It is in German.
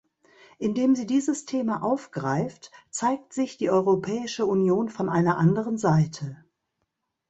Indem sie dieses Thema aufgreift, zeigt sich die Europäische Union von einer anderen Seite.